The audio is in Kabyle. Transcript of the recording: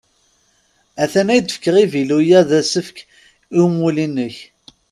At-an ad k-d-fkeɣ avilu-a d asefk i umulli-inek.